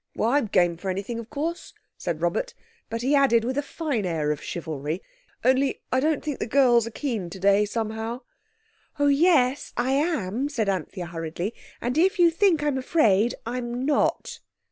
"I'm game for anything, of course," said Robert; but he added, with a fine air of chivalry, "only I don't think the girls are keen today somehow." "Oh, yes; I am," said Anthea hurriedly. "If you think I'm afraid, I'm not."